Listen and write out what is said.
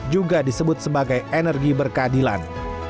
juga disebut sebagai energi berkeadilan